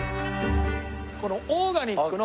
このオーガニックの。